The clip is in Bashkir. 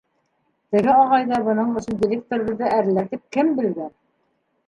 Теге ағай ҙа бының өсөн директорыбыҙҙы әрләр тип кем белгән?